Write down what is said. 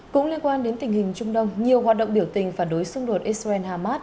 cũng liên quan đến tình hình trung đông nhiều hoạt động biểu tình phản đối xung đột israel harmat